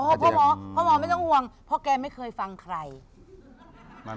อ๋อพ่อหมอไม่ต้องอ่วงเพราะแกไม่เคยฟังใคร